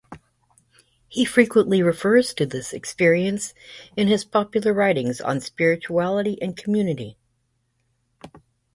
He frequently refers to this experience in his popular writings on spirituality and community.